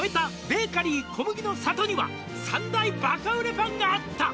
「ベーカリー小麦の郷には３大バカ売れパンがあった！」